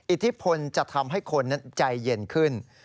อิทธิพลจะทำให้คนนั้นใจเย็นขึ้น